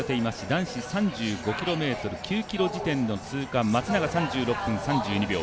男子３５ｋｍ、９ｋｍ時点の通過が松永３６分３２秒。